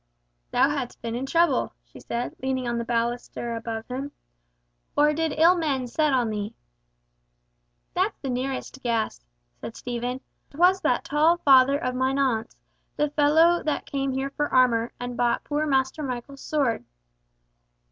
"Thou hast been in trouble," she said, leaning on the baluster above him. "Or did ill men set on thee?" "That's the nearest guess," said Stephen. "'Twas that tall father of mine aunt's, the fellow that came here for armour, and bought poor Master Michael's sword."